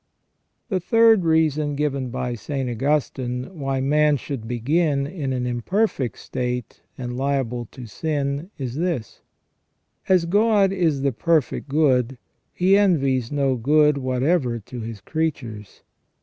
267 The third reason given by St. Augustine why man should begin in an imperfect state and liable to sin is this :" As God is the per fect good, He envies no good whatever to His creatures.